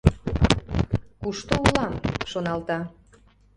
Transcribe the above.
«Кушто улам?» — шоналта.